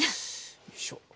よいしょ。